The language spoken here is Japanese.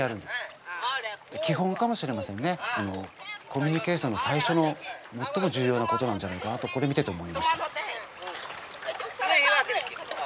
コミュニケーションの最初の最も重要なことなんじゃないかなとこれ見てて思いました。